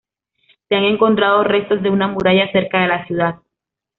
Se han encontrado restos de una muralla cerca de la ciudad.